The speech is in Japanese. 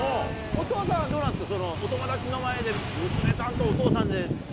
お父さんはどうなんですか？